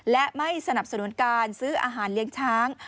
และไม่สนับสนุนการซื้ออาหารเลี้ยงช้าง